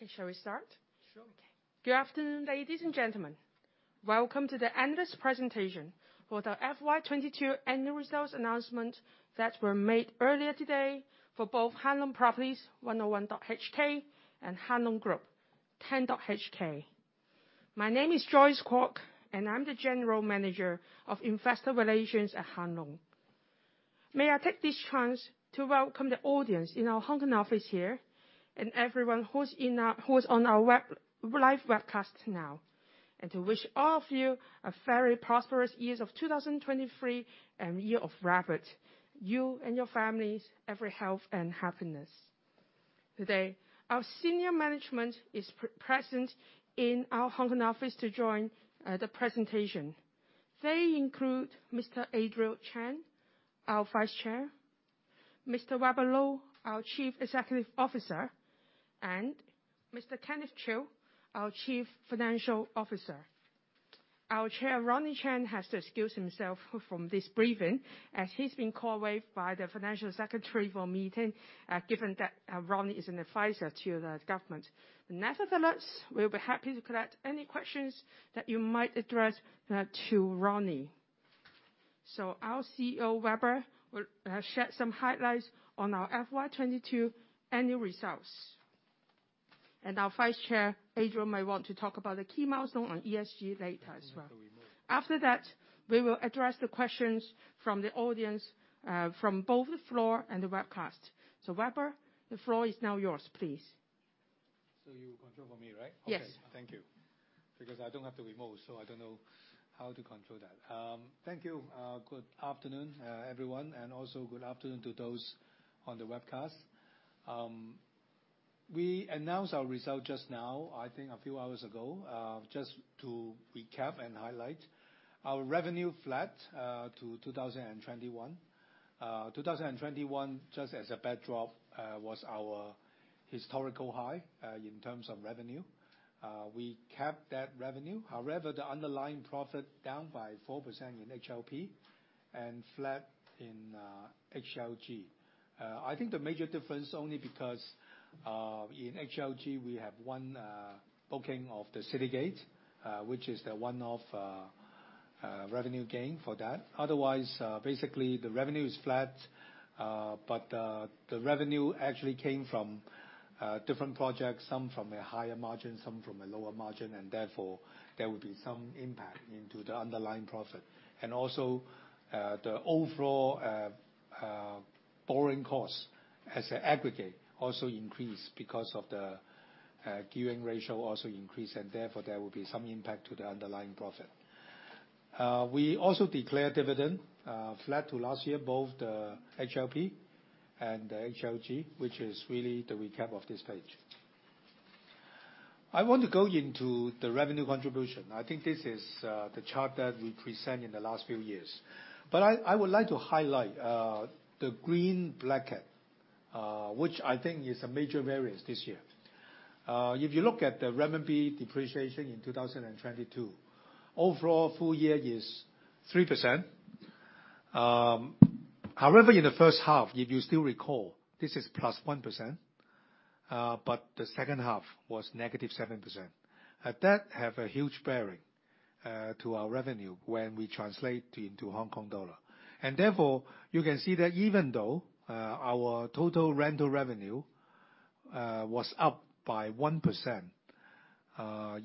Okay. Shall we start? Sure. Okay. Good afternoon, ladies and gentlemen. Welcome to the analyst presentation for the FY 2022 annual results announcement that were made earlier today for both Hang Lung Properties 00101.HK and Hang Lung Group 00010.HK. My name is Joyce Kwok, and I'm the General Manager of Investor Relations at Hang Lung Properties. May I take this chance to welcome the audience in our Hong Kong office here and everyone who's on our live webcast now. To wish all of you a very prosperous years of 2023 and Year of the Rabbit, you and your families, every health and happiness. Today, our senior management is present in our Hong Kong office to join the presentation. They include Mr. Adriel Chan, our Vice Chair, Mr. Weber Lo, our Chief Executive Officer, and Mr. Kenneth Chiu, our Chief Financial Officer. Our Chair, Ronnie Chan, has to excuse himself from this briefing as he's been called away by the Financial Secretary for meeting, given that Ronnie is an advisor to the government. Nevertheless, we'll be happy to collect any questions that you might address to Ronnie. Our CEO, Weber, will shed some highlights on our FY 2022 annual results. Our Vice Chair, Adriel, may want to talk about the key milestone on ESG later as well. After that, we will address the questions from the audience, from both the floor and the webcast. Weber, the floor is now yours, please. You control for me, right? Yes. Okay. Thank you. I don't have the remote, so I don't know how to control that. Thank you, good afternoon, everyone, and also good afternoon to those on the webcast. We announced our result just now, I think a few hours ago. Just to recap and highlight, our revenue flat to 2021. 2021, just as a backdrop, was our historical high in terms of revenue. We kept that revenue. The underlying profit down by 4% in HLP and flat in HLG. I think the major difference only because in HLG, we have one booking of the Citygate, which is the one of revenue gain for that. Basically the revenue is flat. The revenue actually came from different projects, some from a higher margin, some from a lower margin, and therefore there will be some impact into the underlying profit. Also, the overall borrowing costs as an aggregate also increased because of the gearing ratio also increased, and therefore there will be some impact to the underlying profit. We also declare dividend flat to last year, both the HLP and the HLG, which is really the recap of this page. I want to go into the revenue contribution. I think this is the chart that we present in the last few years. I would like to highlight the green bracket, which I think is a major variance this year. If you look at the renminbi depreciation in 2022, overall full year is 3%. However, in the first half, if you still recall, this is +1%, but the second half was -7%. That have a huge bearing to our revenue when we translate into Hong Kong dollar. Therefore, you can see that even though our total rental revenue was up by 1%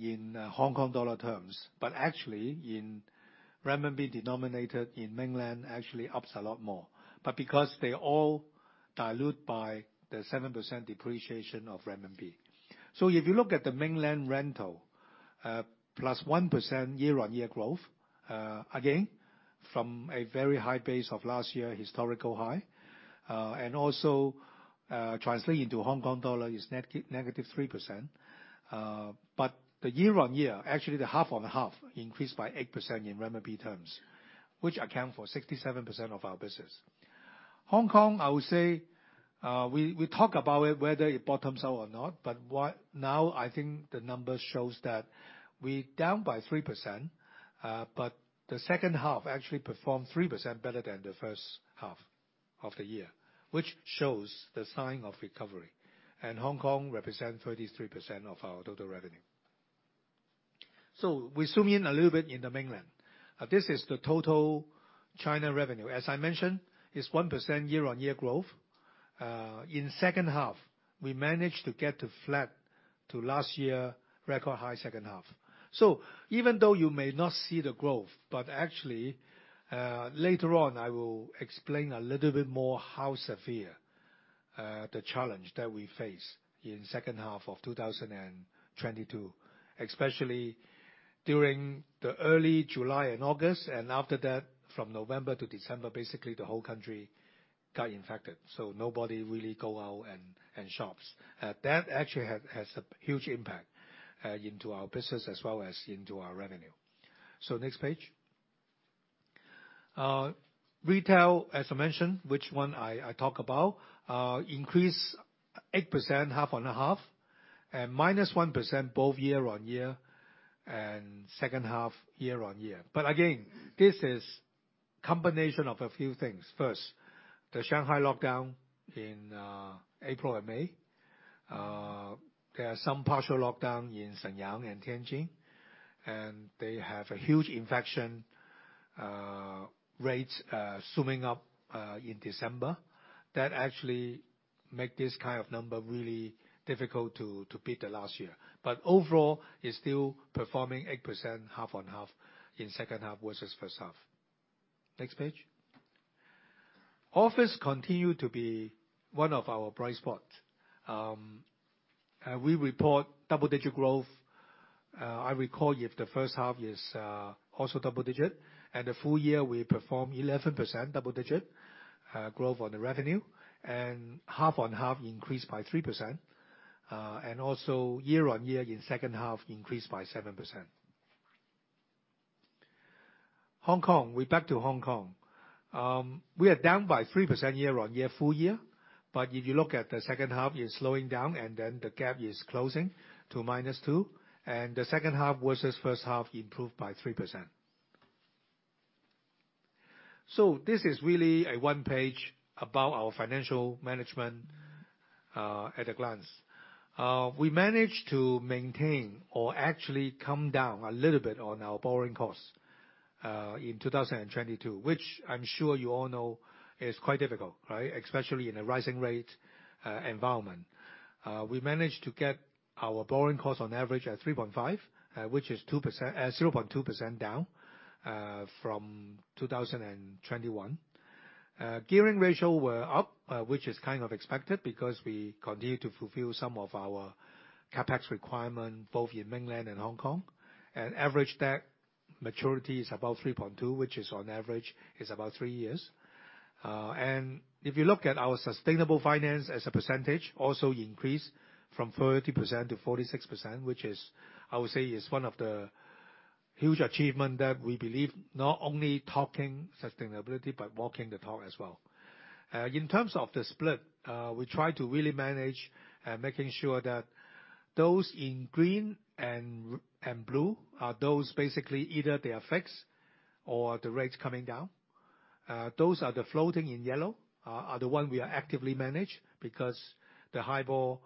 in Hong Kong dollar terms, but actually in renminbi denominated in mainland, actually ups a lot more. Because they all dilute by the 7% depreciation of renminbi. If you look at the mainland rental, +1% year-on-year growth, again, from a very high base of last year, historical high, and also translating to Hong Kong dollar is net negative 3%. But the year-on-year, actually the half-on-half increased by 8% in renminbi terms, which account for 67% of our business. Hong Kong, I would say, we talk about it, whether it bottoms out or not. Now, I think the numbers shows that we down by 3%, but the second half actually performed 3% better than the first half of the year, which shows the sign of recovery. Hong Kong represent 33% of our total revenue. We zoom in a little bit in the mainland. This is the total China revenue. As I mentioned, it's 1% year-on-year growth. In second half, we managed to get to flat to last year, record high second half. Even though you may not see the growth, but actually, later on, I will explain a little bit more how severe, the challenge that we face in second half of 2022, especially during the early July and August, and after that, from November to December, basically the whole country got infected, nobody really go out and shops. That actually has a huge impact, into our business as well as into our revenue. Next page. Retail, as I mentioned, which one I talk about, increase 8% half-on-half and -1% both year-on-year and second half year-on-year. Again, this is combination of a few things. First, the Shanghai lockdown in April and May. There are some partial lockdown in Shenyang and Tianjin. They have a huge infection rates zooming up in December that actually make this kind of number really difficult to beat the last year. Overall, it's still performing 8% half-on-half in second half versus first half. Next page. Office continued to be one of our bright spots. We report double-digit growth. I recall if the first half is also double-digit. The full year we perform 11% double-digit growth on the revenue. Half-on-half increased by 3%. Also year-on-year in second half increased by 7%. Hong Kong, we're back to Hong Kong. We are down by 3% year-on-year full year, if you look at the second half, it's slowing down, and then the gap is closing to -2%. The second half versus first half improved by 3%. This is really a one page about our financial management at a glance. We managed to maintain or actually come down a little bit on our borrowing costs in 2022, which I'm sure you all know is quite difficult, right? Especially in a rising rate environment. We managed to get our borrowing costs on average at 3.5%, which is 0.2% down from 2021. Gearing ratio were up, which is kind of expected because we continue to fulfill some of our CapEx requirement both in Mainland and Hong Kong. Average debt maturity is about 3.2, which is on average is about three years. If you look at our sustainable finance as a percentage, also increased from 30% to 46%, which is, I would say, is one of the huge achievement that we believe not only talking sustainability, but walking the talk as well. In terms of the split, we try to really manage, making sure that those in green and blue are those basically, either they are fixed or the rates coming down. Those are the floating in yellow are the one we are actively manage because the HIBOR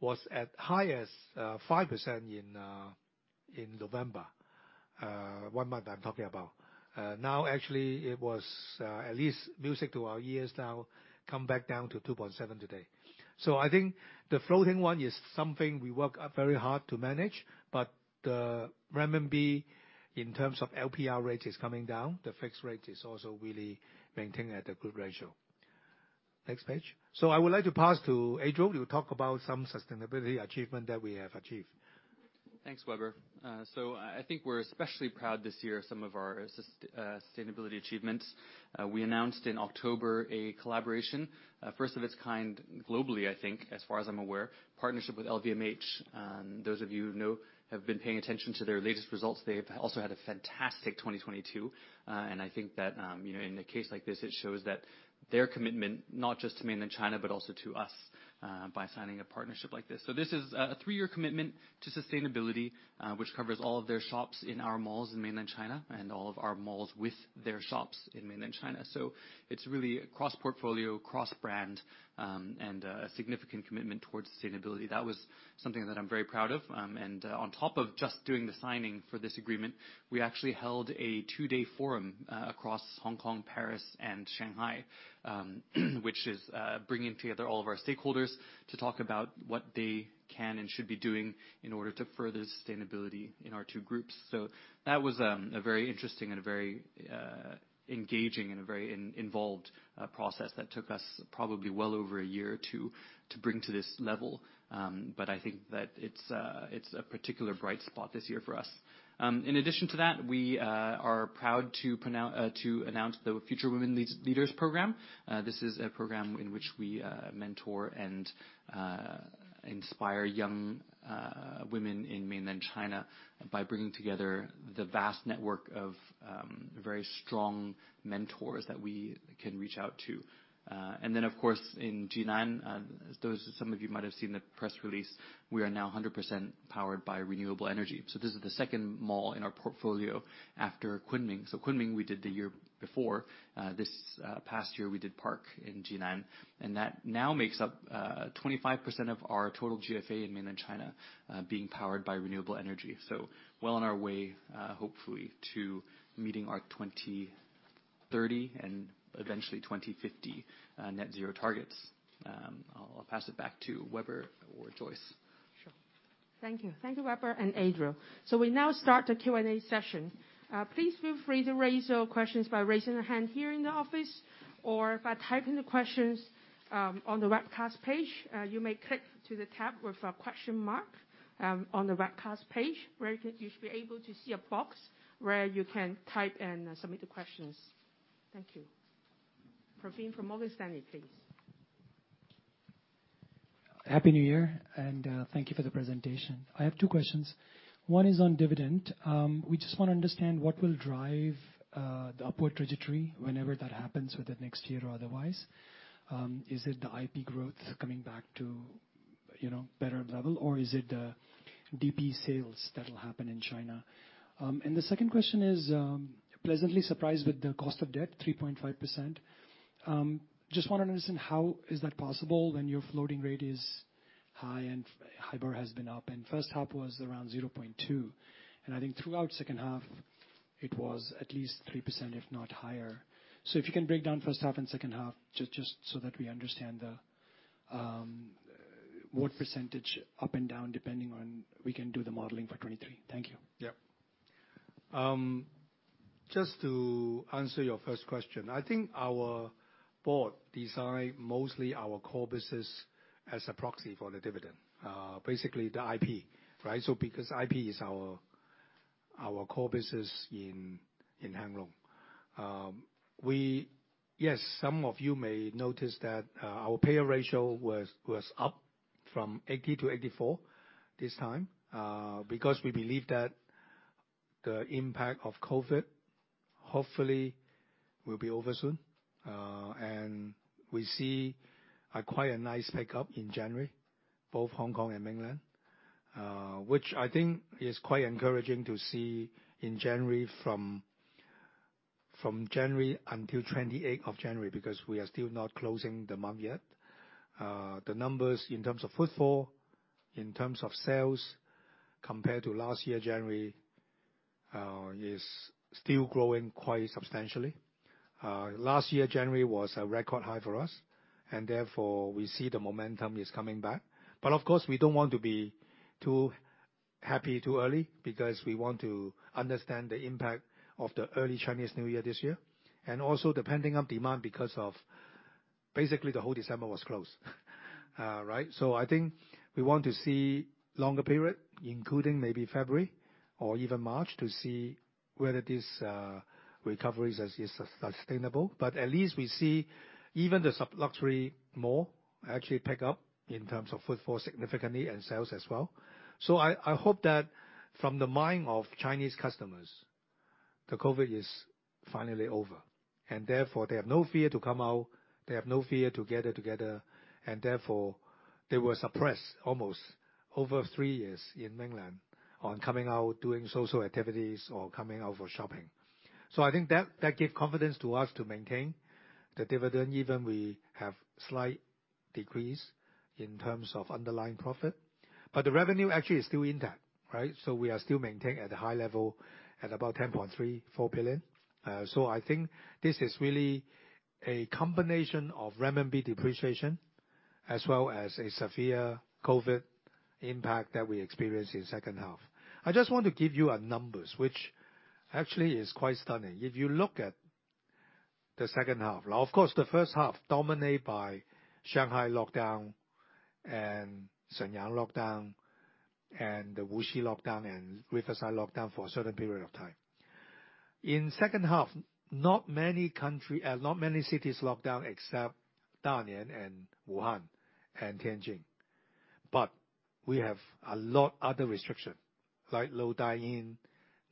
was at highest 5% in November. One month I'm talking about. Now actually it was at least music to our ears now come back down to 2.7% today. I think the floating one is something we work very hard to manage, but the renminbi in terms of LPR rate is coming down. The fixed rate is also really maintained at a good ratio. Next page. I would like to pass to Adriel to talk about some sustainability achievement that we have achieved. Thanks, Weber. I think we're especially proud this year of some of our sustainability achievements. We announced in October a collaboration, first of its kind globally, I think, as far as I'm aware, partnership with LVMH. Those of you who know have been paying attention to their latest results, they've also had a fantastic 2022. I think that, you know, in a case like this, it shows that their commitment, not just to Mainland China, but also to us, by signing a partnership like this. This is a three-year commitment to sustainability, which covers all of their shops in our malls in Mainland China and all of our malls with their shops in Mainland China. It's really a cross-portfolio, cross-brand, and a significant commitment towards sustainability. That was something that I'm very proud of. On top of just doing the signing for this agreement, we actually held a two-day forum across Hong Kong, Paris, and Shanghai, which is bringing together all of our stakeholders to talk about what they can and should be doing in order to further sustainability in our two groups. That was a very interesting and a very engaging and a very involved process that took us probably well over a year to bring to this level. I think that it's a particular bright spot this year for us. In addition to that, we are proud to announce the Future Women Leaders Program. This is a program in which we mentor and inspire young women in Mainland China by bringing together the vast network of very strong mentors that we can reach out to. And then of course, in Jinan, as some of you might have seen the press release, we are now 100% powered by renewable energy. This is the second mall in our portfolio after Kunming. Kunming we did the year before. This past year, we did Parc 66 in Jinan, and that now makes up 25% of our total GFA in Mainland China, being powered by renewable energy. So well on our way, hopefully to meeting our 2030 and eventually 2050 net-zero targets. I'll pass it back to Weber or Joyce. Sure. Thank you. Thank you, Weber and Adriel. We now start the Q&A session. Please feel free to raise your questions by raising your hand here in the office or by typing the questions on the webcast page. You may click to the tab with a question mark on the webcast page, where you should be able to see a box where you can type and submit the questions. Thank you. Praveen from Morgan Stanley, please. Happy New Year, thank you for the presentation. I have two questions. One is on dividend. We just wanna understand what will drive the upward trajectory whenever that happens within next year or otherwise. Is it the IP growth coming back? You know, better level or is it the DP sales that'll happen in China? The second question is, pleasantly surprised with the cost of debt 3.5%. Just wanna understand, how is that possible when your floating rate is high and HIBOR has been up and first half was around 0.2%? I think throughout second half it was at least 3%, if not higher. If you can break down first half and second half just so that we understand the what percentage up and down depending on we can do the modeling for 2023. Thank you. Yep. Just to answer your first question. I think our board design mostly our core business as a proxy for the dividend, basically the IP, right? Because IP is our core business in Hang Lung. Yes, some of you may notice that our payer ratio was up from 80%-84% this time, because we believe that the impact of COVID hopefully will be over soon. We see a quite a nice pick-up in January, both Hong Kong and Mainland. Which I think is quite encouraging to see in January from January until 28th of January, because we are still not closing the month yet. The numbers in terms of footfall, in terms of sales compared to last year January, is still growing quite substantially. Last year January was a record high for us and therefore we see the momentum is coming back. Of course, we don't want to be too happy too early because we want to understand the impact of the early Chinese New Year this year. Also the pent up demand because of basically the whole December was closed, right? I think we want to see longer period, including maybe February or even March to see whether this recovery is sustainable. At least we see even the sub-luxury mall actually pick up in terms of footfall significantly and sales as well. I hope that from the mind of Chinese customers, the COVID is finally over and therefore they have no fear to come out, they have no fear to gather together, and therefore they were suppressed almost over three years in Mainland on coming out doing social activities or coming out for shopping. I think that give confidence to us to maintain the dividend. Even we have slight decrease in terms of underlying profit, but the revenue actually is still intact, right? We are still maintained at a high level at about 10.34 billion. I think this is really a combination of renminbi depreciation as well as a severe COVID impact that we experienced in second half. I just want to give you a numbers, which actually is quite stunning. If you look at the second half. Now of course, the first half dominate by Shanghai lockdown and Shenyang lockdown, and the Wuxi lockdown and Riverside lockdown for a certain period of time. In second half, not many cities locked down except Dalian and Wuhan and Tianjin. We have a lot other restriction, like low dine-in,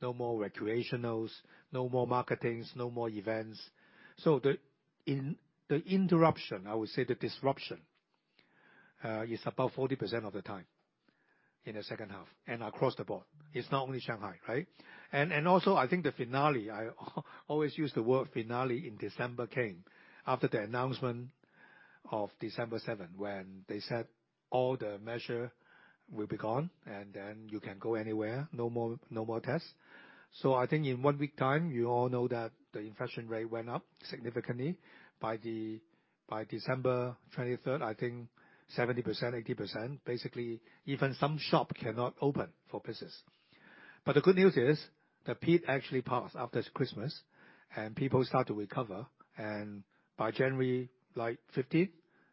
no more recreationals, no more marketings, no more events. So in the interruption, I would say the disruption, is about 40% of the time in the second half and across the board. It's not only Shanghai, right? Also I think the finale, I always use the word finale in December came after the announcement of December 7th, when they said all the measure will be gone and then you can go anywhere, no more tests. I think in one week time, you all know that the infection rate went up significantly. By December 23rd, I think 70%, 80%, basically even some shop cannot open for business. The good news is, the peak actually passed after Christmas and people start to recover and by January 15th,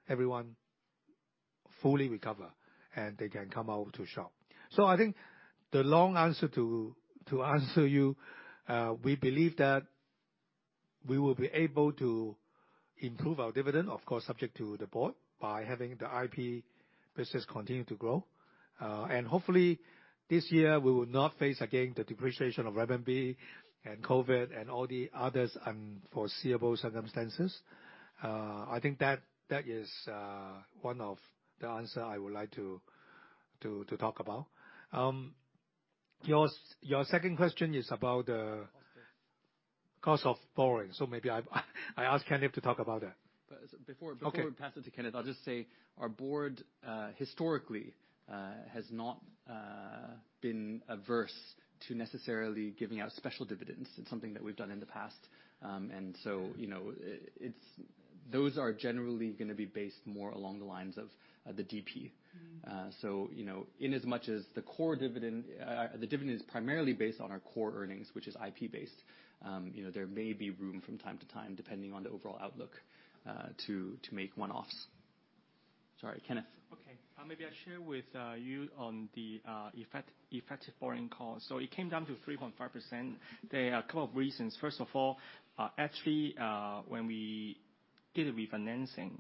everyone fully recover and they can come out to shop. I think the long answer to answer you, we believe that we will be able to improve our dividend, of course subject to the board, by having the IP business continue to grow. Hopefully this year we will not face again the depreciation of renminbi and COVID and all the others unforeseeable circumstances. I think that is one of the answer I would like to talk about. Your second question is about. Cost of- Cost of borrowing. Maybe I ask Kenneth to talk about that. But before- Okay. Before we pass it to Kenneth, I'll just say our board, historically, has not been averse to necessarily giving out special dividends. It's something that we've done in the past. You know, those are generally gonna be based more along the lines of the DP. You know, the dividend is primarily based on our core earnings, which is IP based. You know, there may be room from time to time, depending on the overall outlook, to make one-offs. Sorry. Kenneth. Okay. Maybe I share with you on the effective borrowing cost. It came down to 3.5%. There are a couple of reasons. First of all, actually, when we did a refinancing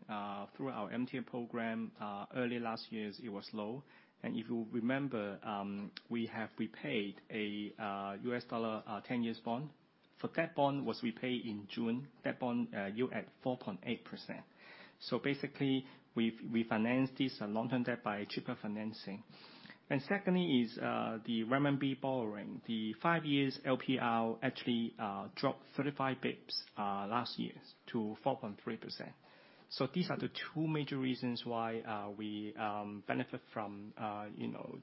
through our MTN program early last years it was low. If you remember, we have repaid a USD 10-year bond. For that bond was repaid in June. That bond yield at 4.8%. Basically, we've refinanced this long-term debt by cheaper financing. Secondly is the renminbi borrowing. The 5-year LPR actually dropped 35 basis points last year to 4.3%. These are the two major reasons why we benefit from, you know.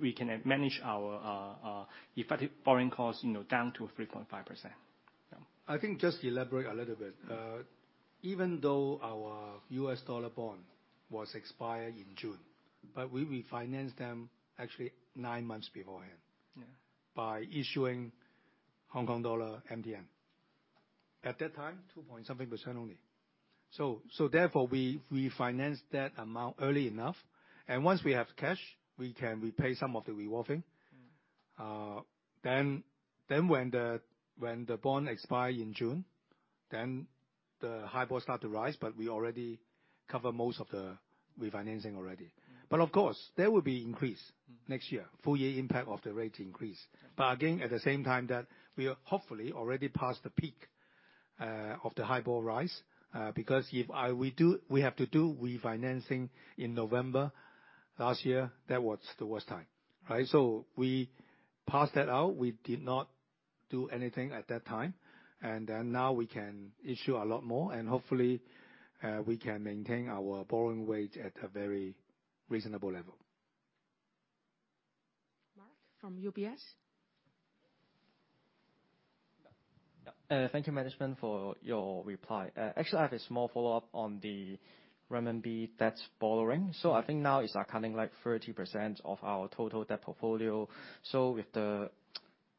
We can manage our effective borrowing costs, you know, down to 3.5%. Yeah. I think just elaborate a little bit. Even though our US dollar bond was expired in June, but we refinanced them actually nine months beforehand- Yeah ...by issuing Hong Kong dollar MTN. At that time, 2.something% only. Therefore, we financed that amount early enough, and once we have cash, we can repay some of the revolving. Mm-hmm. When the bond expired in June, then the HIBOR start to rise, but we already cover most of the refinancing already. Of course, there will be increase next year, full-year impact of the rate increase. Again, at the same time that we are hopefully already past the peak of the HIBOR rise, because we have to do refinancing in November last year, that was the worst time, right? We passed that out. We did not do anything at that time, then now we can issue a lot more, and hopefully, we can maintain our borrowing wage at a very reasonable level. Mark from UBS. Yeah. Thank you, management, for your reply. Actually, I have a small follow-up on the renminbi debts borrowing. I think now it's accounting like 30% of our total debt portfolio. With the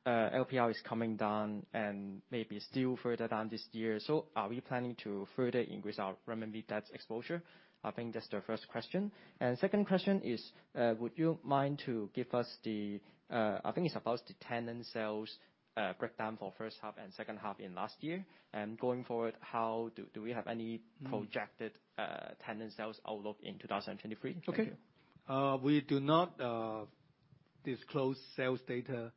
LPR is coming down and maybe still further down this year, so are we planning to further increase our renminbi debts exposure? I think that's the first question. Second question is, would you mind to give us the, I think it's about the tenant sales breakdown for first half and second half in last year. Going forward, Do we have any projected tenant sales outlook in 2023? Thank you. Okay. We do not disclose sales data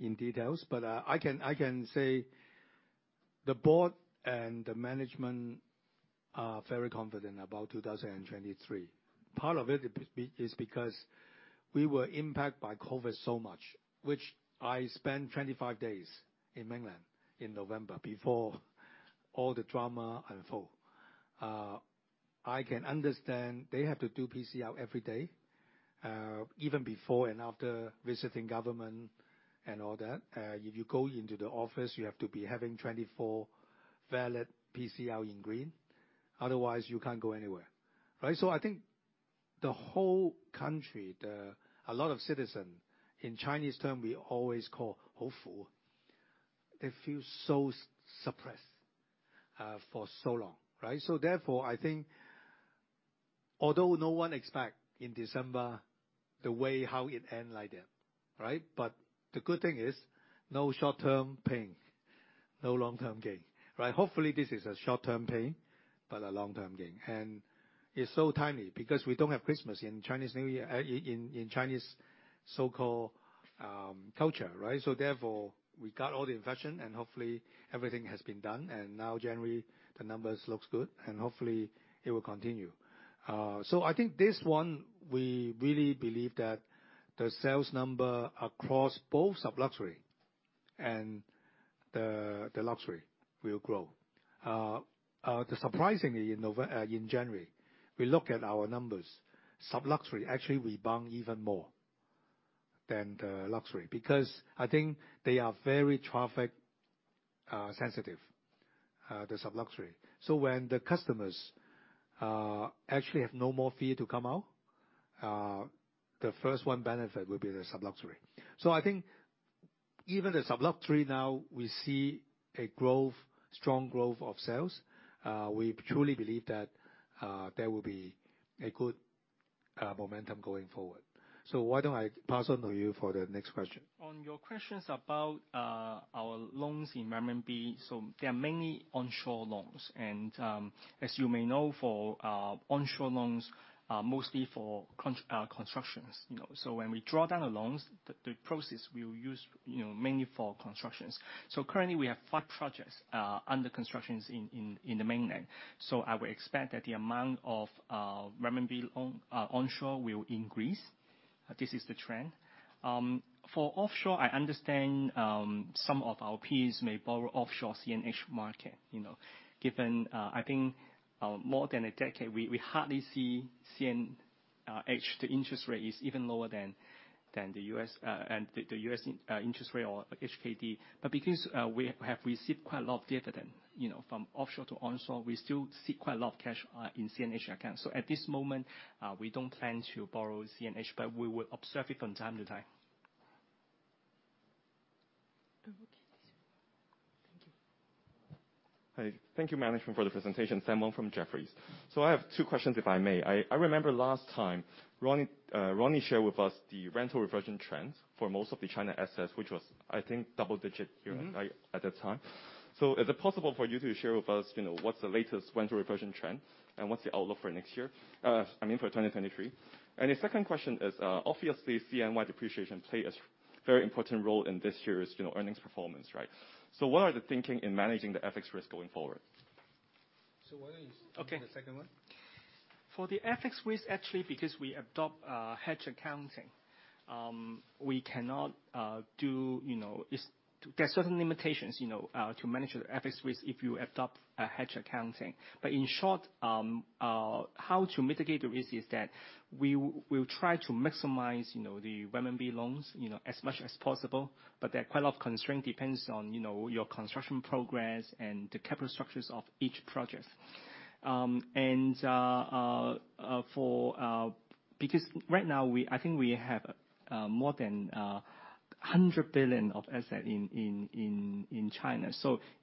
in details, but I can say the board and the management are very confident about 2023. Part of it is because we were impacted by COVID so much, which I spent 25 days in Mainland in November before all the drama unfold. I can understand they have to do PCR every day, even before and after visiting government and all that. If you go into the office, you have to be having 24 valid PCR in green, otherwise you can't go anywhere, right? I think the whole country, a lot of citizens, in Chinese term, we always call ). They feel so suppressed for so long, right? Therefore, I think although no one expect in December the way how it end like that, right? The good thing is no short-term pain, no long-term gain, right? Hopefully, this is a short-term pain, but a long-term gain. It's so timely because we don't have Christmas and Chinese New Year in Chinese so-called culture, right? Therefore, we got all the infection and hopefully everything has been done. Now January, the numbers looks good. Hopefully it will continue. I think this one we really believe that the sales number across both sub-luxury and the luxury will grow. The surprisingly in January, we look at our numbers, sub-luxury actually rebound even more than the luxury because I think they are very traffic sensitive the sub-luxury. When the customers actually have no more fear to come out, the first one benefit will be the sub-luxury. I think even the sub-luxury now we see a growth, strong growth of sales. We truly believe that there will be a good momentum going forward. Why don't I pass on to you for the next question? On your questions about our loans in renminbi, they are mainly onshore loans. As you may know, for onshore loans are mostly for constructions, you know. When we draw down the loans, the process we'll use, you know, mainly for constructions. Currently we have five projects under constructions in the mainland. I would expect that the amount of renminbi onshore will increase. This is the trend. For offshore, I understand, some of our peers may borrow offshore CNH market. You know, given, I think, more than a decade, we hardly see CNH, the interest rate is even lower than the U.S. and the US interest rate or HKD. Because, we have received quite a lot of dividend, you know, from offshore to onshore, we still see quite a lot of cash in CNH accounts. At this moment, we don't plan to borrow CNH, but we will observe it from time to time. Okay. Thank you. Hi. Thank you management for the presentation. Simon from Jefferies. I have two questions, if I may. I remember last time, Ronnie shared with us the rental reversion trends for most of the China assets, which was, I think, double-digit yield- Mm-hmm at that time. Is it possible for you to share with us, you know, what's the latest rental reversion trend and what's the outlook for next year? I mean, for 2023. The second question is, obviously CNY depreciation play a very important role in this year's, you know, earnings performance, right? What are the thinking in managing the FX risk going forward? Why don't you start. Okay. with the second one. For the FX risk, actually, because we adopt hedge accounting, we cannot do, you know. There are certain limitations, you know, to manage the FX risk if you adopt a hedge accounting. In short, how to mitigate the risk is that we will try to maximize, you know, the RMB loans, you know, as much as possible. There are quite a lot of constraint depends on, you know, your construction progress and the capital structures of each project. And for, because right now I think we have more than 100 billion of asset in China.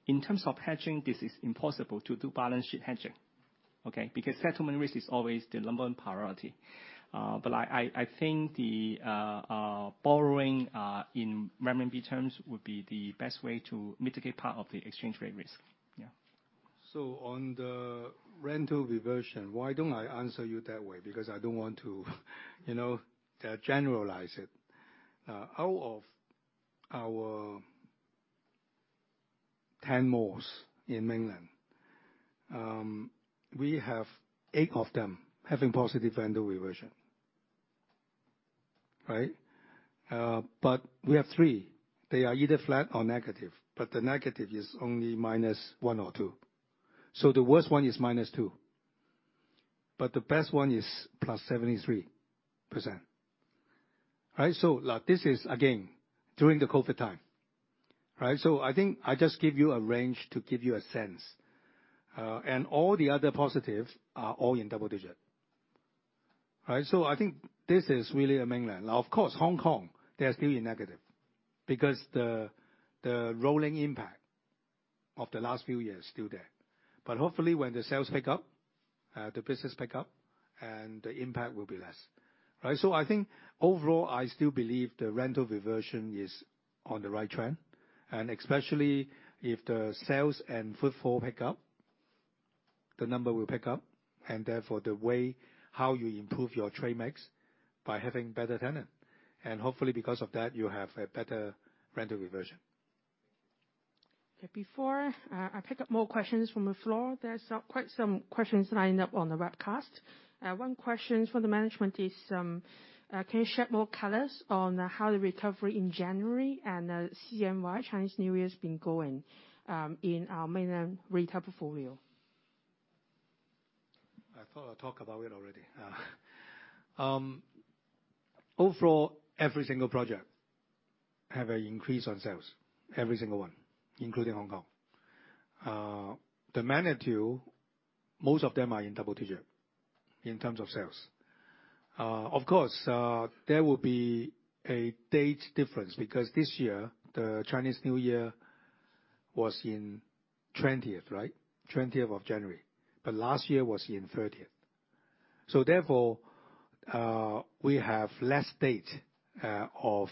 In terms of hedging, this is impossible to do balance sheet hedging. Okay. Because settlement risk is always the number one priority. I think the borrowing in RMB terms would be the best way to mitigate part of the exchange rate risk. On the rental reversion, why don't I answer you that way? Because I don't want to, you know, generalize it. Out of our 10 malls in mainland, we have eight of them having positive rental reversion. We have three, they are either flat or negative, but the negative is only -1% or -2%, so the worst one is -2%, but the best one is +73%. Like this is again, during the COVID time. I think I just give you a range to give you a sense. All the other positives are all in double-digit. I think this is really a mainland. Of course, Hong Kong, they are still in negative because the rolling impact of the last few years still there. Hopefully when the sales pick up, the business pick up and the impact will be less. Right. I think overall, I still believe the rental reversion is on the right trend. Especially if the sales and footfall pick up, the number will pick up and therefore the way how you improve your trade mix by having better tenant. Hopefully because of that you have a better rental reversion. Before I pick up more questions from the floor, there's quite some questions lined up on the webcast. One question for the management is, can you shed more colors on how the recovery in January and CNY, Chinese New Year's been going in our mainland retail portfolio? about it already. Overall, every single project have an increase on sales. Every single one, including Hong Kong. The magnitude, most of them are in double digit in terms of sales. Of course, there will be a date difference because this year the Lunar New Year was in 20th, right? 20th of January, but last year was in 30th. Therefore, we have less date of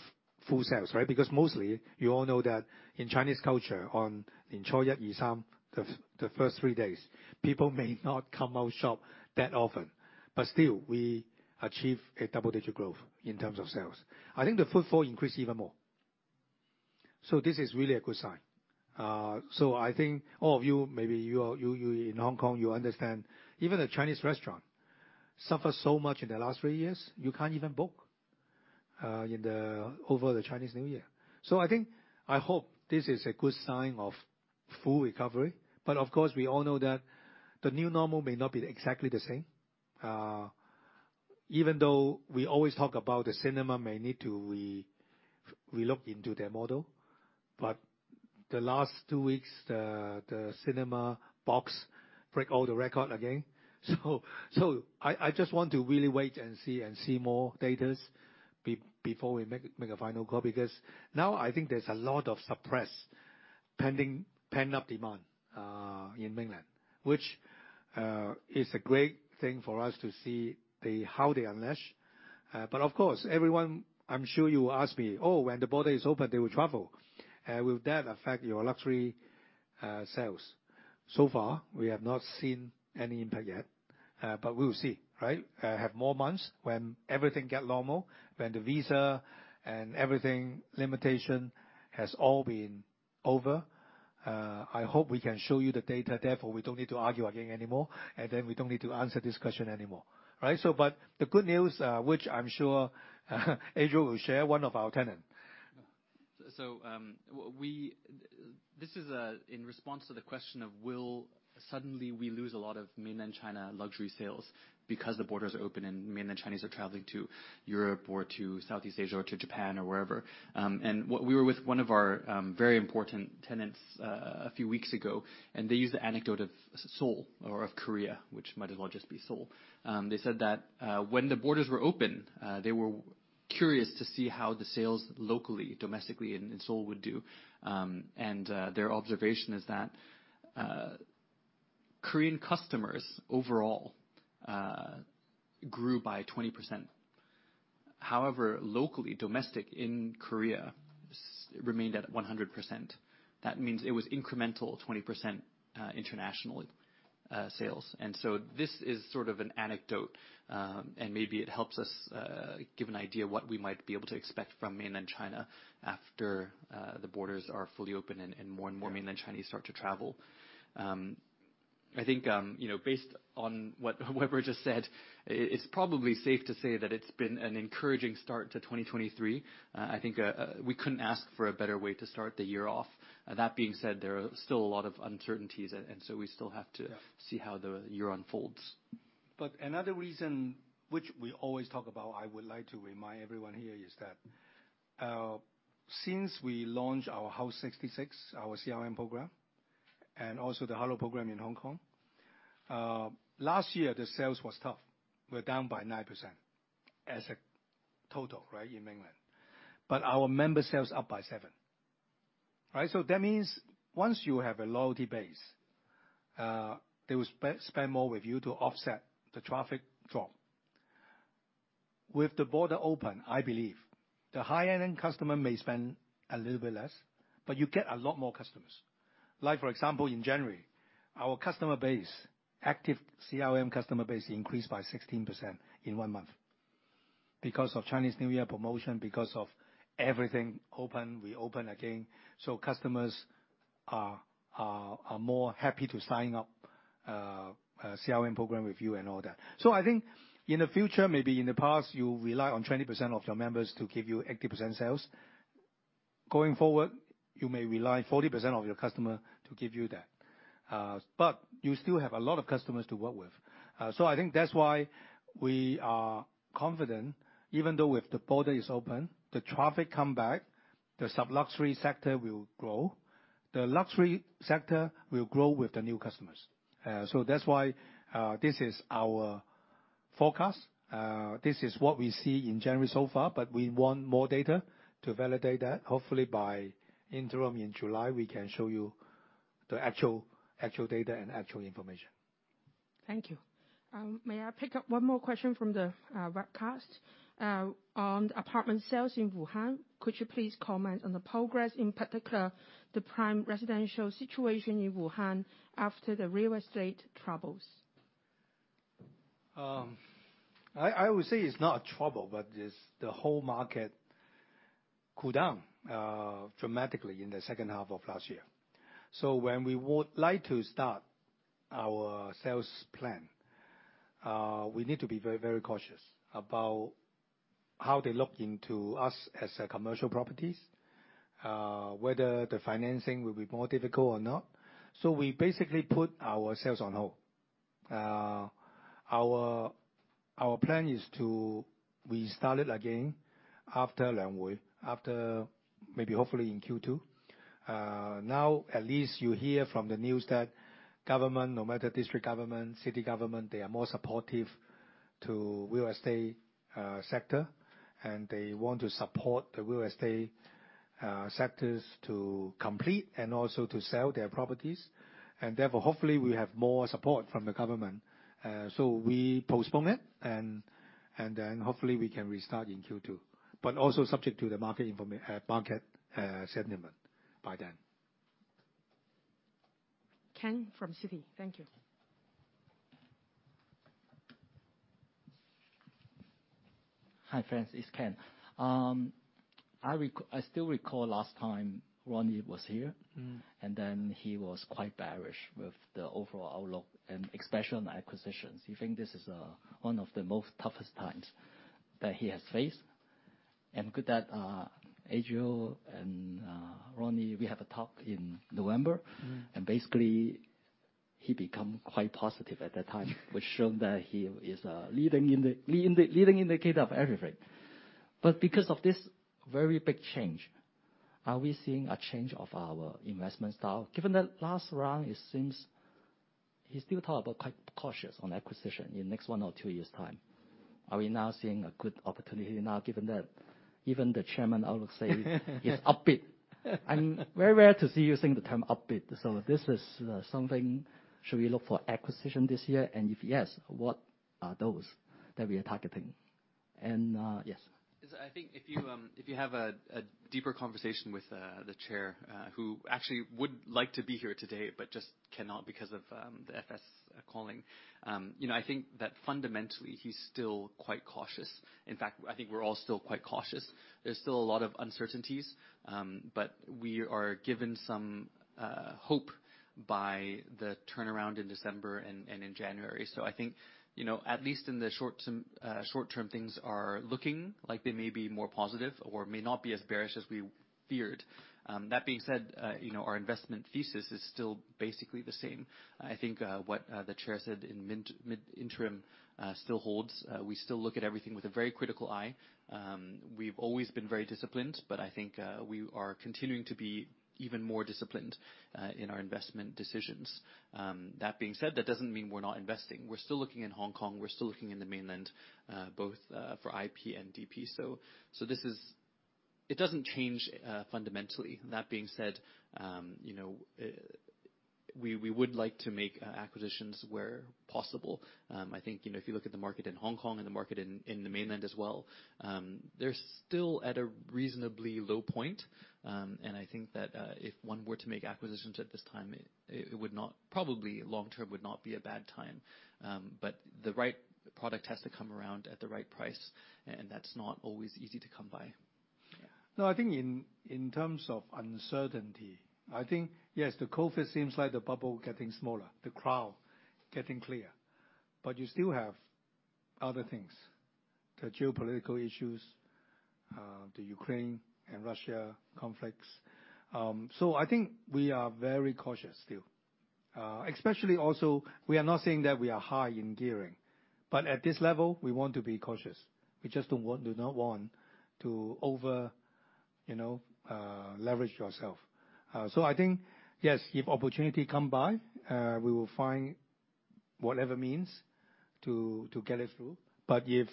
full sales, right? Because mostly you all know that in Chinese culture, in the first three days, people may not come out shop that often. Still we achieve a double digit growth in terms of sales. I think the footfall increased even more. This is really a good sign. I think all of you, maybe you in Hong Kong, you understand even the Chinese restaurant suffer so much in the last three years. You can't even book over the Lunar New Year. I think, I hope this is a good sign of full recovery. Of course, we all know that the new normal may not be exactly the same. Even though we always talk about the cinema may need to relook into their model. The last two weeks, the cinema box break all the record again. I just want to really wait and see and see more datas before we make a final call. Now I think there's a lot of suppressed pending, pent-up demand in mainland, which is a great thing for us to see how they unleash. Of course, everyone, I'm sure you will ask me, "Oh, when the border is open, they will travel. Will that affect your luxury sales?" So far, we have not seen any impact yet, but we'll see, right? Have more months when everything get normal, when the visa and everything limitation has all been over, I hope we can show you the data, therefore we don't need to argue again anymore, and then we don't need to answer this question anymore, right? The good news, which I'm sure Adriel will share one of our tenant. This is in response to the question of will suddenly we lose a lot of mainland China luxury sales because the borders are open and mainland Chinese are traveling to Europe or to Southeast Asia or to Japan or wherever. What we were with one of our very important tenants a few weeks ago, and they used the anecdote of Seoul or of Korea, which might as well just be Seoul. They said that when the borders were open, they were curious to see how the sales locally, domestically in Seoul would do. Their observation is that Korean customers overall grew by 20%. However, locally, domestic in Korea remained at 100%. That means it was incremental 20% international sales. This is sort of an anecdote, and maybe it helps us give an idea what we might be able to expect from Mainland China after the borders are fully open and more and more Mainland Chinese start to travel. I think, you know, based on what Weber just said, it's probably safe to say that it's been an encouraging start to 2023. I think we couldn't ask for a better way to start the year off. That being said, there are still a lot of uncertainties and so we still have to. Yeah. see how the year unfolds. Another reason which we always talk about, I would like to remind everyone here, is that since we launched our HOUSE 66, our CRM program, and also the Hello Program in Hong Kong, last year, the sales was tough. We're down by 9% as a total, right, in mainland. Our member sales up by 7%. Right? That means once you have a loyalty base, they will spend more with you to offset the traffic drop. With the border open, I believe the high-ending customer may spend a little bit less, but you get a lot more customers. For example, in January, our customer base, active CRM customer base increased by 16% in one month because of Chinese New Year promotion, because of everything open, we open again, so customers are more happy to sign up CRM program with you and all that. I think in the future, maybe in the past, you rely on 20% of your members to give you 80% sales. Going forward, you may rely 40% of your customer to give you that. You still have a lot of customers to work with. I think that's why we are confident, even though if the border is open, the traffic come back, the sub-luxury sector will grow. The luxury sector will grow with the new customers. That's why this is our forecast. This is what we see in January so far. We want more data to validate that. Hopefully by interim in July, we can show you the actual data and actual information. Thank you. May I pick up one more question from the webcast? On apartment sales in Wuhan, could you please comment on the progress, in particular, the prime residential situation in Wuhan after the real estate troubles? I would say it's not a trouble, but just the whole market cool down dramatically in the second half of last year. When we would like to start our sales plan, we need to be very, very cautious about how they look into us as a commercial properties, whether the financing will be more difficult or not. We basically put our sales on hold. Our plan is to restart it again after Lunar New Year, after maybe hopefully in Q2. Now at least you hear from the news that government, no matter district government, city government, they are more supportive to real estate sector, and they want to support the real estate sectors to complete and also to sell their properties. Therefore, hopefully we have more support from the government. We postpone it and then hopefully we can restart in Q2. Also subject to the market sentiment by then. Ken from Citi. Thank you. Hi, friends. It's Ken. I still recall last time Ronnie was here. Mm-hmm. He was quite bearish with the overall outlook and especially on acquisitions. You think this is one of the most toughest times that he has faced. Good that Adriel and Ronnie, we have a talk in November. Mm-hmm. Basically, he become quite positive at that time, which shown that he is leading in the leading indicator of everything. Because of this very big change, are we seeing a change of our investment style? Given that last round, it seems he still talk about quite cautious on acquisition in next one or two years' time. Are we now seeing a good opportunity now, given that even the chairman, I would say, is upbeat? I'm very rare to see you saying the term upbeat, so this is something should we look for acquisition this year? If yes, what are those that we are targeting? Yes. I think if you, if you have a deeper conversation with the Chair, who actually would like to be here today but just cannot because of the FS calling, you know, I think that fundamentally he's still quite cautious. In fact, I think we're all still quite cautious. There's still a lot of uncertainties, but we are given some hope by the turnaround in December and in January. I think, you know, at least in the short term, things are looking like they may be more positive or may not be as bearish as we feared. That being said, you know, our investment thesis is still basically the same. I think, what the Chair said in mid interim, still holds. We still look at everything with a very critical eye. We've always been very disciplined, but I think we are continuing to be even more disciplined in our investment decisions. That being said, that doesn't mean we're not investing. We're still looking in Hong Kong, we're still looking in the Mainland, both for IP and DP. It doesn't change fundamentally. That being said, you know, we would like to make acquisitions where possible. I think, you know, if you look at the market in Hong Kong and the market in the Mainland as well, they're still at a reasonably low point. I think that if one were to make acquisitions at this time, it probably long-term would not be a bad time. The right product has to come around at the right price, and that's not always easy to come by. I think in terms of uncertainty, I think, yes, COVID seems like the bubble getting smaller, the cloud getting clear, but you still have other things. The geopolitical issues, the Ukraine and Russia conflicts. I think we are very cautious still. Especially also, we are not saying that we are high in gearing, but at this level we want to be cautious. We just do not want to over, you know, leverage ourself. I think, yes, if opportunity come by, we will find whatever means to get it through. If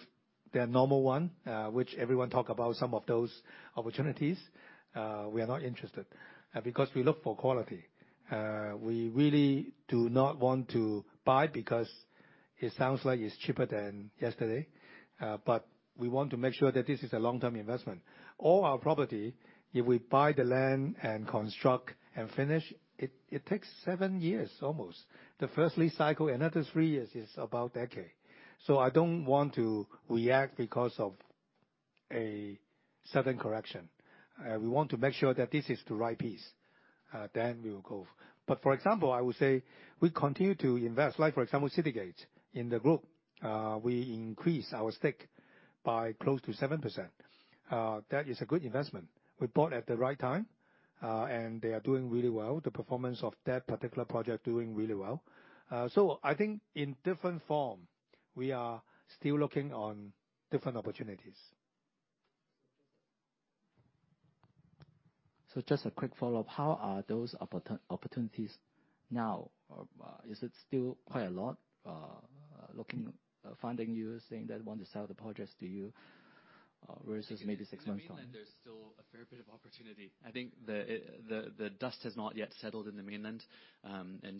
the normal one, which everyone talk about some of those opportunities, we are not interested, because we look for quality. We really do not want to buy because it sounds like it's cheaper than yesterday, but we want to make sure that this is a long-term investment. All our property, if we buy the land and construct and finish it takes seven years almost. The first lease cycle, another three years is about a decade. I don't want to react because of a sudden correction. We want to make sure that this is the right piece, then we will go. For example, I would say we continue to invest. Like, for example, Citygate in the group. We increase our stake by close to 7%. That is a good investment. We bought at the right time, and they are doing really well. The performance of that particular project doing really well. I think in different form, we are still looking on different opportunities. Just a quick follow-up. How are those opportunities now? Is it still quite a lot, looking... finding you, saying they want to sell the projects to you, versus maybe six months ago? In the Mainland, there's still a fair bit of opportunity. I think the dust has not yet settled in the Mainland. You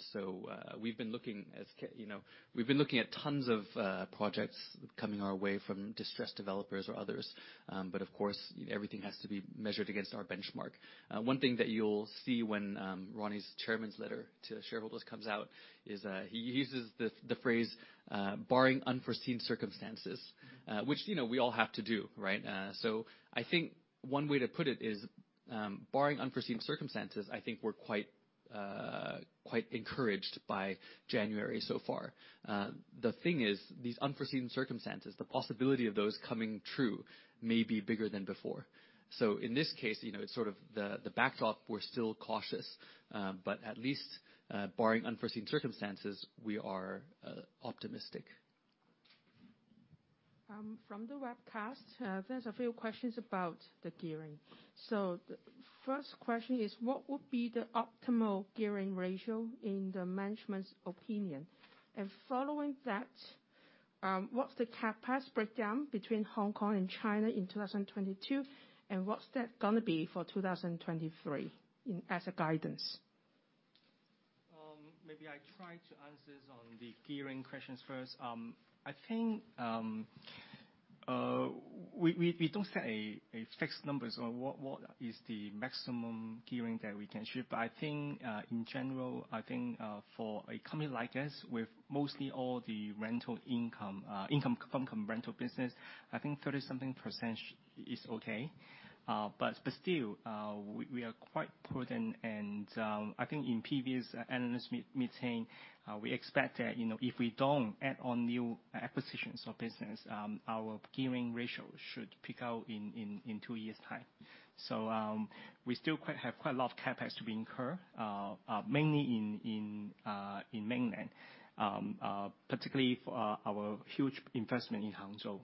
know, we've been looking at tons of projects coming our way from distressed developers or others. Of course, everything has to be measured against our benchmark. One thing that you'll see when Ronnie Chan's chairman's letter to shareholders comes out is he uses the phrase, "barring unforeseen circumstances," which, you know, we all have to do, right? I think one way to put it is, barring unforeseen circumstances, I think we're quite encouraged by January so far. The thing is, these unforeseen circumstances, the possibility of those coming true may be bigger than before. In this case, you know, it's sort of the backdrop, we're still cautious. At least, barring unforeseen circumstances, we are optimistic. From the webcast, there's a few questions about the gearing. The first question is what would be the optimal gearing ratio in the management's opinion? Following that, what's the CapEx breakdown between Hong Kong and China in 2022, and what's that gonna be for 2023 as a guidance? Maybe I try to answer on the gearing questions first. I think we don't set a fixed numbers on what is the maximum gearing that we can achieve. I think in general, I think for a company like us, with mostly all the rental income come from rental business, I think 30 something % is okay. Still, we are quite prudent, and I think in previous analyst meeting, we expect that, you know, if we don't add on new acquisitions or business, our gearing ratio should peak out in two years' time. We still have quite a lot of CapEx to be incur mainly in Mainland, particularly for our huge investment in Hangzhou,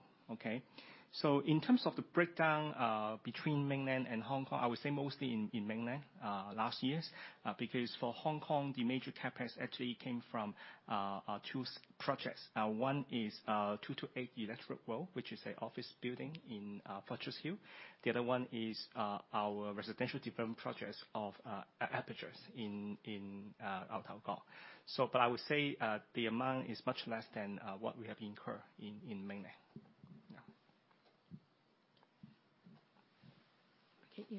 okay? In terms of the breakdown between Mainland and Hong Kong, I would say mostly in Mainland last years. Because for Hong Kong, the major CapEx actually came from two projects. One is 228 Electric Road, which is a office building in Fortress Hill. The other one is our residential development projects of Apertures. I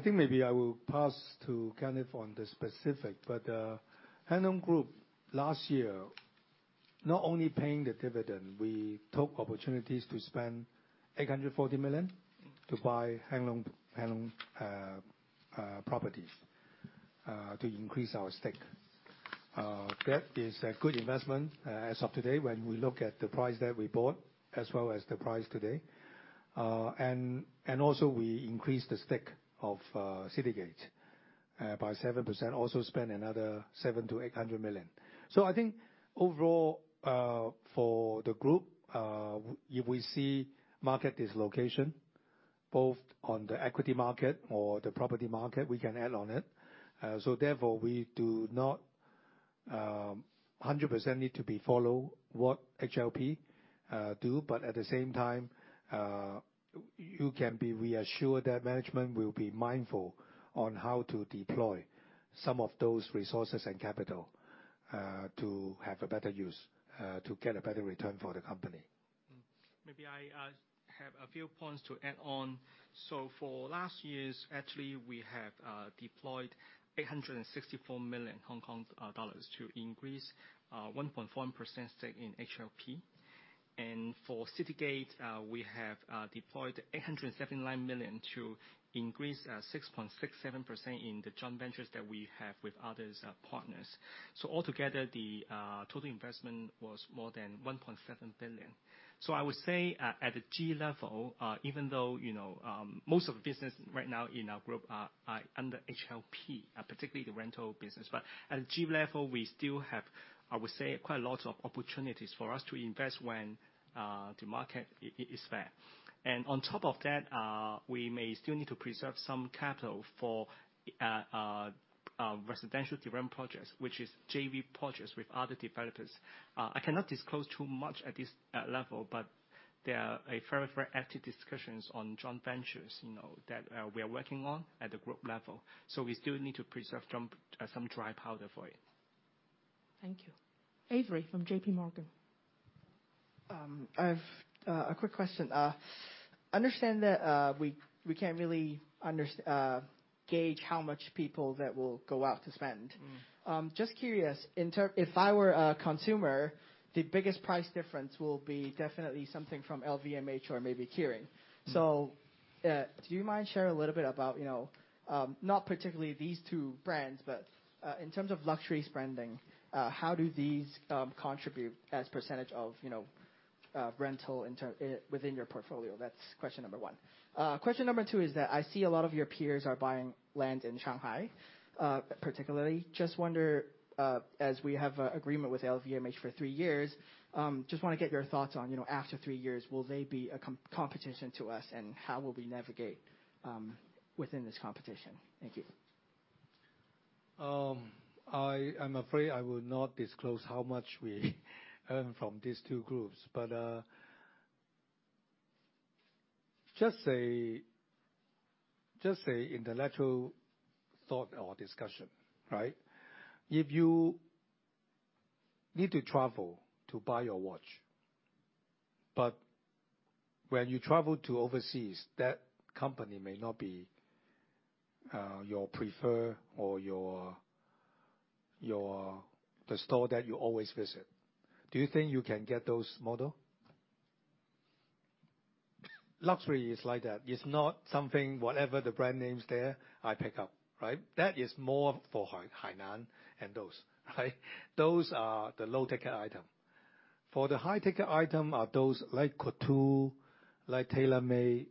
think maybe I will pass to Kenneth on the specific, but Hang Lung Group last year, not only paying the dividend, we took opportunities to spend 840 million to buy Hang Lung Properties to increase our stake. That is a good investment, as of today when we look at the price that we bought as well as the price today. Also, we increased the stake of Citygate. By 7% also spend another 700 million-800 million. I think overall, for the group, if we see market dislocation, both on the equity market or the property market, we can add on it. Therefore, we do not 100% need to be follow what HLP do. At the same time, you can be reassured that management will be mindful on how to deploy some of those resources and capital to have a better use to get a better return for the company. Maybe I have a few points to add on. For last years, actually, we have deployed 864 million Hong Kong dollars to increase 1.4% stake in HLP. For Citygate, we have deployed 879 million to increase 6.67% in the joint ventures that we have with others partners. Altogether, the total investment was more than 1.7 billion. I would say at the G level, even though, you know, most of the business right now in our group are under HLP, particularly the rental business. At G level, we still have, I would say, quite a lot of opportunities for us to invest when the market is fair. On top of that, we may still need to preserve some capital for residential development projects, which is JV projects with other developers. I cannot disclose too much at this level, but there are a very active discussions on joint ventures, you know, that we are working on at the group level. We still need to preserve some dry powder for it. Thank you. Avery from JPMorgan. A quick question. Understand that, we can't really gauge how much people that will go out to spend. Mm. Just curious, if I were a consumer, the biggest price difference will be definitely something from LVMH or maybe Kering. Mm. Do you mind sharing a little bit about not particularly these two brands, but in terms of luxury spending, how do these contribute as percentage of rental within your portfolio? That's question number one. Question number two is that I see a lot of your peers are buying land in Shanghai particularly. Just wonder, as we have a agreement with LVMH for three years, just want to get your thoughts on after three years, will they be a competition to us, and how will we navigate within this competition? Thank you. I am afraid I will not disclose how much we earn from these two groups. Just a intellectual thought or discussion, right? If you need to travel to buy your watch, but when you travel to overseas, that company may not be your preferred or the store that you always visit. Do you think you can get those model? Luxury is like that. It's not something, whatever the brand name's there, I pick up, right? That is more for Hainan and those, right? Those are the low-ticket item. For the high-ticket item are those like couture, like tailormade,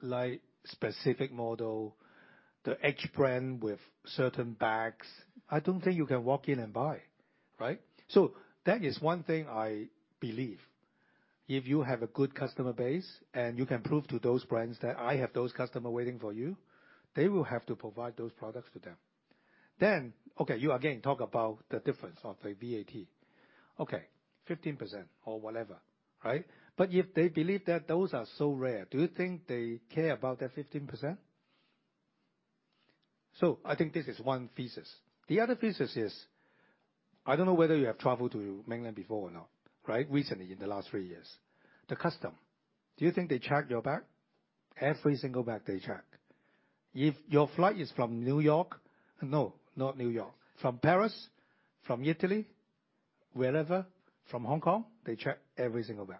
like specific model, the Hermès brand with certain bags. I don't think you can walk in and buy, right? That is one thing I believe. If you have a good customer base and you can prove to those brands that I have those customer waiting for you, they will have to provide those products to them. Okay, you again talk about the difference of the VAT. Okay, 15% or whatever, right? If they believe that those are so rare, do you think they care about that 15%? I think this is one thesis. The other thesis is, I don't know whether you have traveled to mainland before or not, right? Recently, in the last three years. The customs, do you think they check your bag? Every single bag they check. If your flight is from New York. No, not New York. From Paris, from Italy, wherever, from Hong Kong, they check every single bag.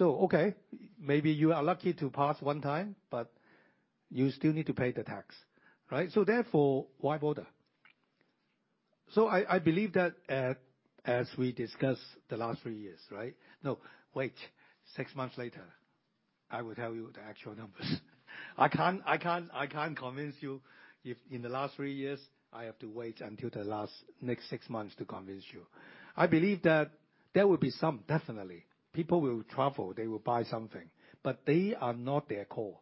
Okay, maybe you are lucky to pass one time, but you still need to pay the tax, right? Therefore, why bother? I believe that as we discuss the last three years, right? No, wait. six months later, I will tell you the actual numbers. I can't convince you if in the last three years, I have to wait until the next six months to convince you. I believe that there will be some, definitely. People will travel, they will buy something. They are not their core,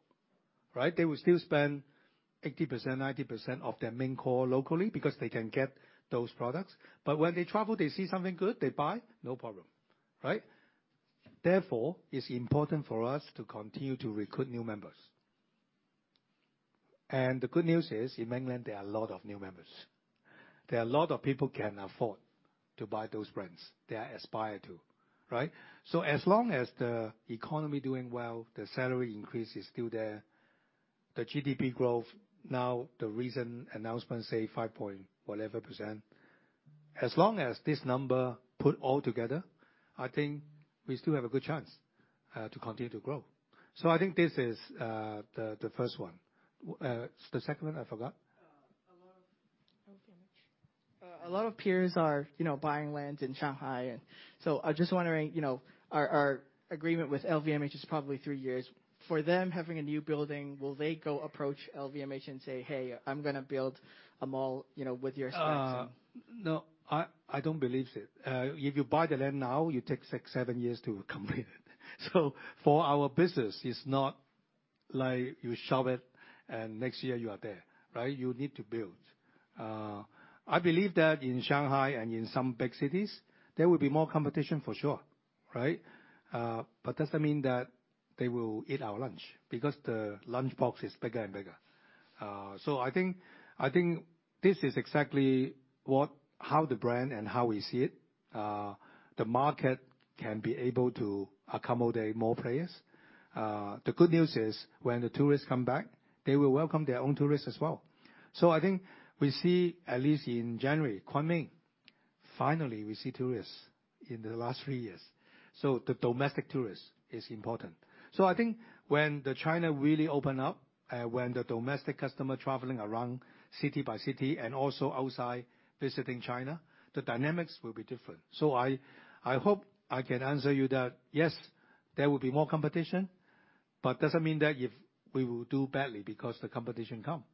right? They will still spend 80%, 90% of their main core locally because they can get those products. When they travel, they see something good, they buy, no problem, right? It's important for us to continue to recruit new members. The good news is, in mainland, there are a lot of new members. There are a lot of people can afford to buy those brands they are aspire to, right? As long as the economy doing well, the salary increase is still there, the GDP growth, now the recent announcement say 5.whatever%. As long as this number put all together, I think we still have a good chance to continue to grow. I think this is the first one. The second one, I forgot. Okay. A lot of peers are, you know, buying land in Shanghai, I'm just wondering, you know, our agreement with LVMH is probably three years. For them having a new building, will they go approach LVMH and say, "Hey, I'm gonna build a mall, you know, with your space? No, I don't believe it. If you buy the land now, you take six, seven years to complete it. For our business, it's not like you shove it and next year you are there, right? You need to build. I believe that in Shanghai and in some big cities, there will be more competition for sure, right? Doesn't mean that they will eat our lunch because the lunchbox is bigger and bigger. I think this is exactly how the brand and how we see it. The market can be able to accommodate more players. The good news is when the tourists come back, they will welcome their own tourists as well. I think we see at least in January, Kunming, finally we see tourists in the last three years. The domestic tourist is important. I think when China really open up, when the domestic customer traveling around city by city and also outside visiting China, the dynamics will be different. I hope I can answer you that yes, there will be more competition, but doesn't mean that if we will do badly because the competition come.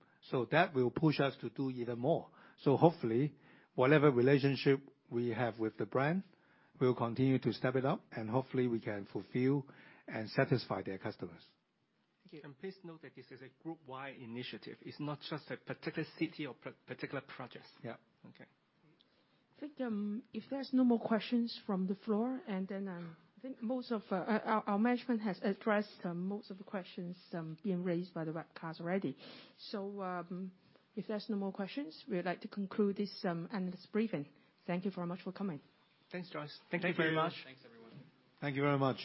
That will push us to do even more. Hopefully whatever relationship we have with the brand, we'll continue to step it up and hopefully we can fulfill and satisfy their customers. Thank you. Please note that this is a group wide initiative. It's not just a particular city or particular project. Yeah. Okay. I think, if there's no more questions from the floor, and then, I think most of our management has addressed most of the questions being raised by the webcast already. If there's no more questions, we would like to conclude this analyst briefing. Thank you very much for coming. Thanks, Joyce. Thank you very much. Thanks everyone. Thank you very much.